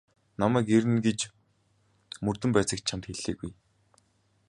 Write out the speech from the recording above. Намайг ирнэ гэж мөрдөн байцаагч чамд хэлээгүй.